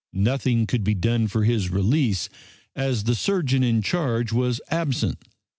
Nothing could be done for his release, as the surgeon in charge was absent.